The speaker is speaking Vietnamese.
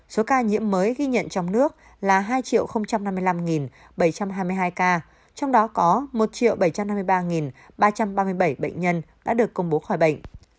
số ca nhiễm mới ghi nhận trong nước là hai năm mươi năm bảy trăm hai mươi hai ca trong đó có một bảy trăm năm mươi ba ba trăm ba mươi bảy bệnh nhân đã được công bố khỏi bệnh